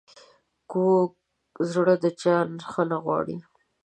کوږ زړه د چا ښه نه غواړي